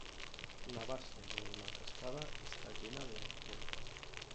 La base de la cascada está llena de rocas.